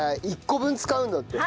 １個分使うんだって。